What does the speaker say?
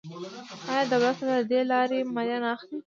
آیا دولت له دې لارې مالیه نه اخلي؟